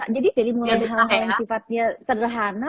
jadi dari mulai hal hal yang sifatnya sederhana